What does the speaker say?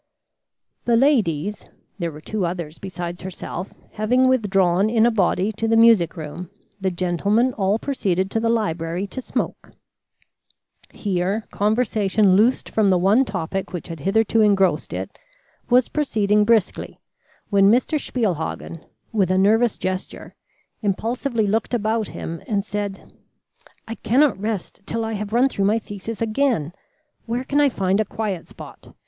The ladies (there were two others besides herself) having withdrawn in a body to the music room, the gentlemen all proceeded to the library to smoke. Here, conversation loosed from the one topic which had hitherto engrossed it, was proceeding briskly, when Mr. Spielhagen, with a nervous gesture, impulsively looked about him and said: "I cannot rest till I have run through my thesis again. Where can I find a quiet spot?